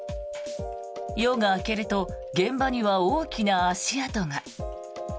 夜が明けると現場には大きな足跡が。